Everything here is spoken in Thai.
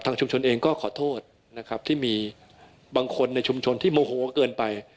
ชุมชนเองก็ขอโทษนะครับที่มีบางคนในชุมชนที่โมโหเกินไป